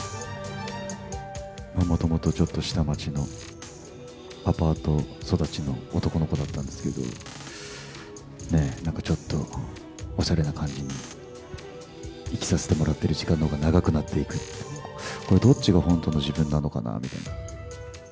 もともとちょっと下町のアパート育ちの男の子だったんですけど、ね、なんかちょっと、おしゃれな感じに生きさせてもらってる時間のほうが長くなっていく、どっちが本当の自分なのかなみたいな。